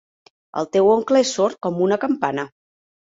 El teu oncle és sord com una campana.